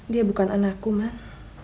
dia bukan anakku man